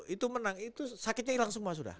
itu menang itu sakitnya hilang semua sudah